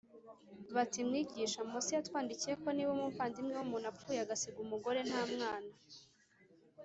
bati Mwigisha Mose yatwandikiye ko niba umuvandimwe w umuntu apfuye agasiga umugore nta mwana